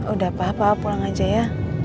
udah papa pulang aja ya